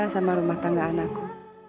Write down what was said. sama rumah tangga anakku